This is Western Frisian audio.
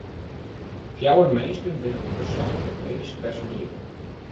Fjouwer minsken binne ûndersocht troch medysk personiel.